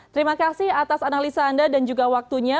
terima kasih atas analisa anda dan juga waktunya